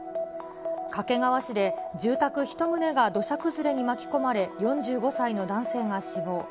掛川市で住宅１棟が土砂崩れに巻き込まれ、４５歳の男性が死亡。